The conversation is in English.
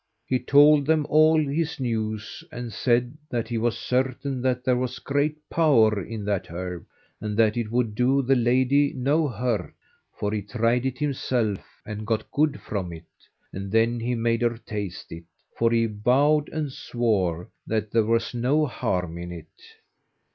He told them all his news, and said that he was certain that there was great power in that herb, and that it would do the lady no hurt, for he tried it himself and got good from it, and then he made her taste it, for he vowed and swore that there was no harm in it.